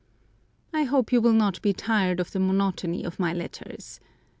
I hope you will not be tired of the monotony of my letters.